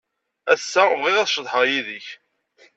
Ass-a, bɣiɣ ad ceḍḥeɣ yid-k.